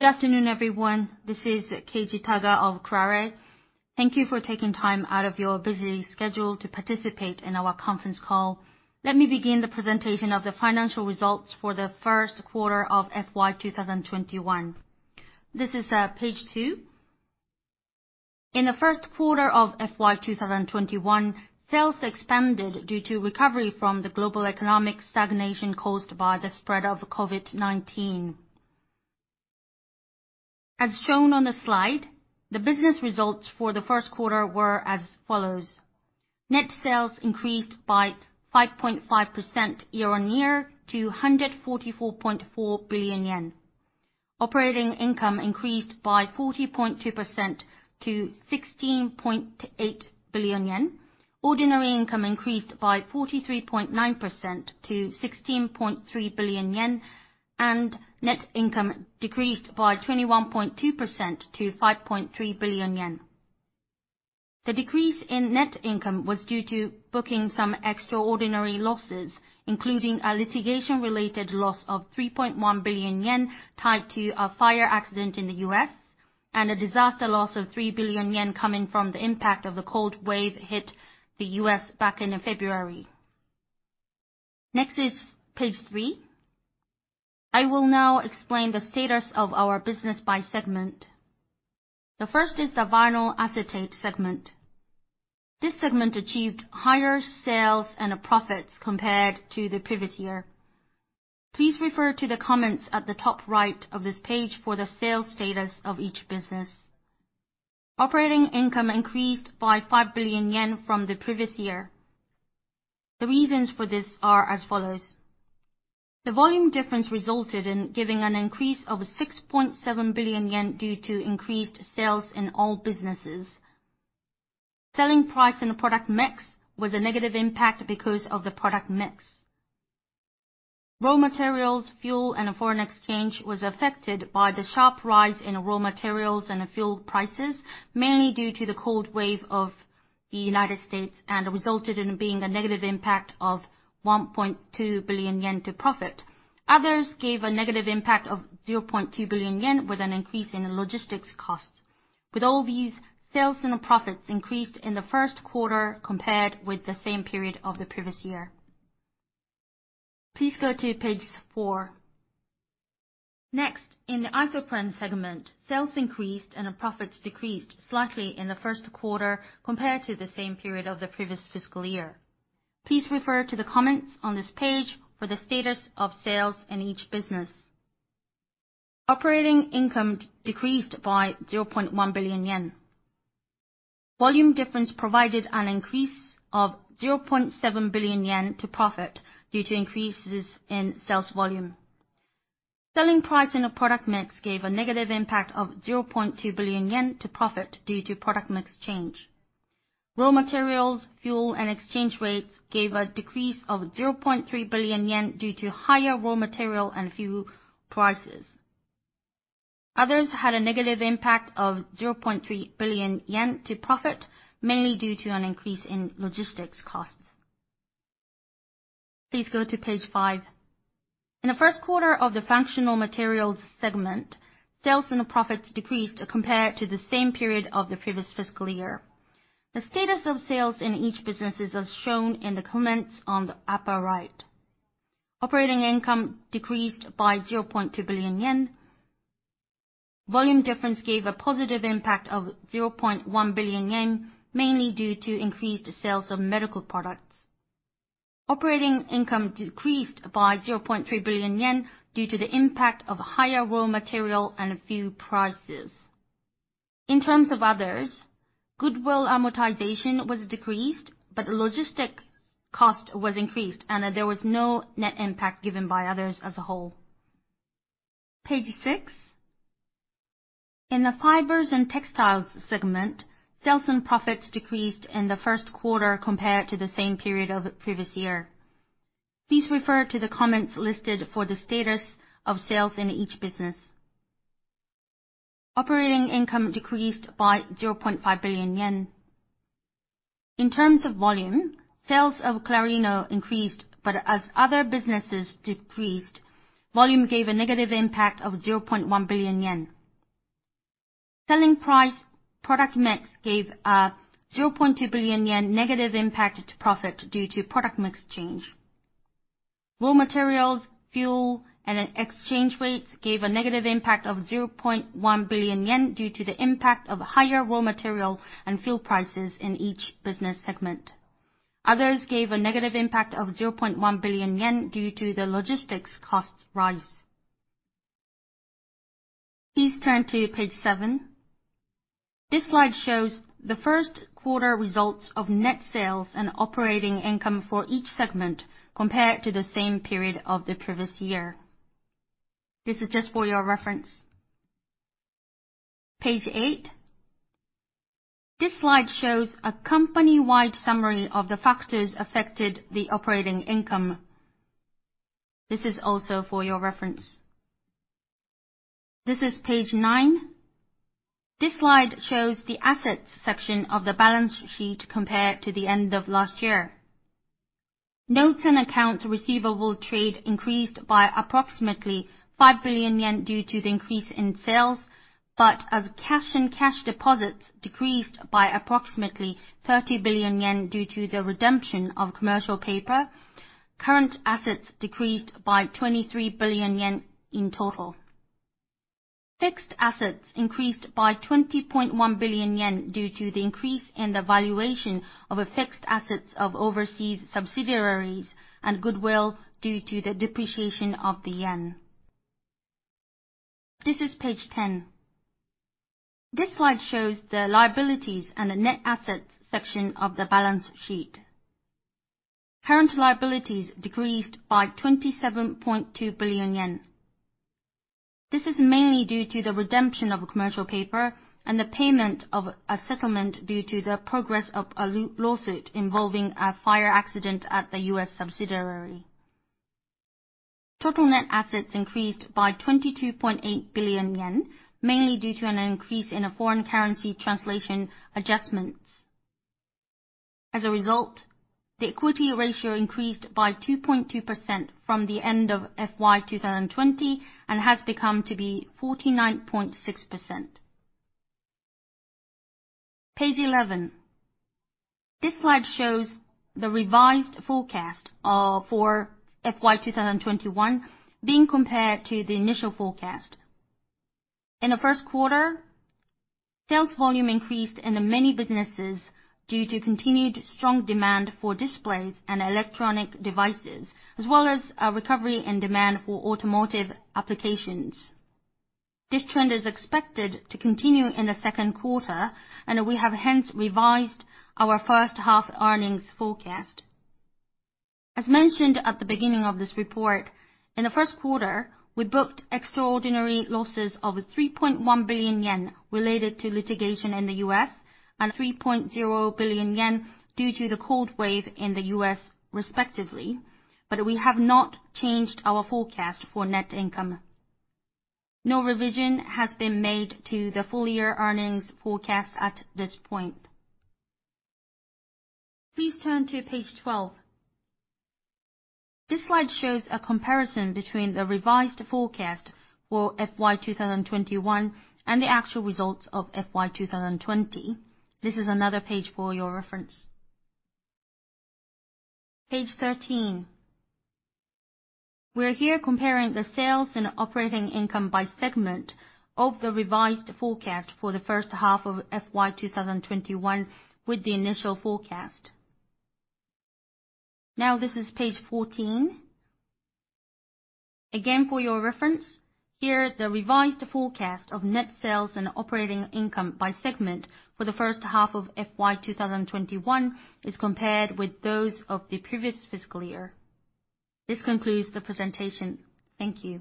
Good afternoon, everyone. This is Keiji Taga of Kuraray. Thank you for taking time out of your busy schedule to participate in our conference call. Let me begin the presentation of the financial results for the first quarter of FY 2021. This is Page two. In the first quarter of FY 202i, sales expanded due to recovery from the global economic stagnation caused by the spread of COVID-19. As shown on the slide, the business results for the first quarter were as follows. Net sales increased by 5.5% year-on-year to 144.4 billion yen. Operating income increased by 40.2% to 16.8 billion yen. Ordinary income increased by 43.9% to 16.3 billion yen, and net income decreased by 21.2% to 5.3 billion yen. The decrease in net income was due to booking some extraordinary losses, including a litigation-related loss of 3.1 billion yen tied to a fire accident in the U.S., and a disaster loss of 3 billion yen coming from the impact of a cold wave hit the U.S. back in February. Next is Page three. I will now explain the status of our business by segment. The first is the Vinyl Acetate segment. This segment achieved higher sales and profits compared to the previous year. Please refer to the comments at the top right of this page for the sales status of each business. Operating income increased by 5 billion yen from the previous year. The reasons for this are as follows. The volume difference resulted in giving an increase of 6.7 billion yen due to increased sales in all businesses. Selling price and product mix was a negative impact because of the product mix. Raw materials, fuel, and foreign exchange was affected by the sharp rise in raw materials and fuel prices, mainly due to the cold wave of the U.S., resulted in being a negative impact of 1.2 billion yen to profit. Others gave a negative impact of 0.2 billion yen with an increase in logistics costs. With all these, sales and profits increased in the first quarter compared with the same period of the previous year. Please go to Page four. Next, in the Isoprene Segment, sales increased and profits decreased slightly in the first quarter compared to the same period of the previous fiscal year. Please refer to the comments on this page for the status of sales in each business. Operating income decreased by 0.1 billion yen. Volume difference provided an increase of 0.7 billion yen to profit due to increases in sales volume. Selling price and product mix gave a negative impact of 0.2 billion yen to profit due to product mix change. Raw materials, fuel, and exchange rates gave a decrease of 0.3 billion yen due to higher raw material and fuel prices. Others had a negative impact of 0.3 billion yen to profit, mainly due to an increase in logistics costs. Please go to Page five. In the first quarter of the Functional Materials segment, sales and profits decreased compared to the same period of the previous fiscal year. The status of sales in each business is as shown in the comments on the upper right. Operating income decreased by 0.2 billion yen. Volume difference gave a positive impact of 0.1 billion yen, mainly due to increased sales of medical products. Operating income decreased by 0.3 billion yen due to the impact of higher raw material and fuel prices. In terms of others, goodwill amortization was decreased, but logistics cost was increased, and there was no net impact given by others as a whole. Page six. In the Fibers and Textiles segment, sales and profits decreased in the first quarter compared to the same period of the previous year. Please refer to the comments listed for the status of sales in each business. Operating income decreased by 0.5 billion yen. In terms of volume, sales of Clarino increased, but as other businesses decreased, volume gave a negative impact of 0.1 billion yen. Selling price, product mix gave a 0.2 billion yen negative impact to profit due to product mix change. Raw materials, fuel, and exchange rates gave a negative impact of 0.1 billion yen due to the impact of higher raw material and fuel prices in each business segment. Others gave a negative impact of 0.1 billion yen due to the logistics cost rise. Please turn to Page seven. This slide shows the first quarter results of net sales and operating income for each segment compared to the same period of the previous year. This is just for your reference. Page eight. This slide shows a company-wide summary of the factors affected the operating income. This is also for your reference. This is Page nine. This slide shows the assets section of the balance sheet compared to the end of last year. Notes and accounts receivable trade increased by approximately 5 billion yen due to the increase in sales. As cash and cash deposits decreased by approximately 30 billion yen due to the redemption of commercial paper, current assets decreased by 23 billion yen in total. Fixed assets increased by 20.1 billion yen due to the increase in the valuation of fixed assets of overseas subsidiaries and goodwill due to the depreciation of the yen. This is page 10. This slide shows the liabilities and the net assets section of the balance sheet. Current liabilities decreased by 27.2 billion yen. This is mainly due to the redemption of commercial paper and the payment of a settlement due to the progress of a lawsuit involving a fire accident at the U.S. subsidiary. Total net assets increased by 22.8 billion yen, mainly due to an increase in foreign currency translation adjustments. As a result, the equity ratio increased by 2.2% from the end of FY 2020 and has become to be 49.6%. Page 11. This slide shows the revised forecast for FY 2022 being compared to the initial forecast. In the first quarter, sales volume increased in many businesses due to continued strong demand for displays and electronic devices, as well as a recovery in demand for automotive applications. This trend is expected to continue in the second quarter, and we have hence revised our first-half earnings forecast. As mentioned at the beginning of this report, in the first quarter, we booked extraordinary losses of 3.1 billion yen related to litigation in the U.S. and 3.0 billion yen due to the cold wave in the U.S., respectively, but we have not changed our forecast for net income. No revision has been made to the full-year earnings forecast at this point. Please turn to Page 12. This slide shows a comparison between the revised forecast for FY 2021 and the actual results of FY 2020. This is another page for your reference. Page 13. We are here comparing the sales and operating income by segment of the revised forecast for the first half of FY 2021 with the initial forecast. This is Page 14. For your reference, here the revised forecast of net sales and operating income by segment for the first half of FY 2021 is compared with those of the previous fiscal year. This concludes the presentation. Thank you.